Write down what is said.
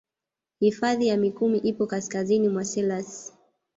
Hifadhi ya mikumi ipo kasikazini mwa selous